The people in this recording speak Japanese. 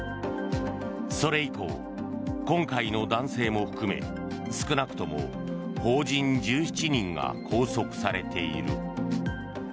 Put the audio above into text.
それ以降、今回の男性も含め少なくとも邦人１７人が拘束されている。